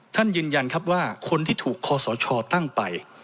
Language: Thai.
ท่านยืนยันครับว่าคนที่ถูกคอสชตั้งไป